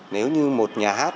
nếu như một nhà hát